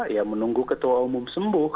ya menunggu ketua umum sembuh